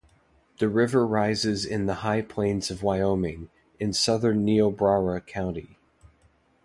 The river rises in the High Plains of Wyoming, in southern Niobrara County.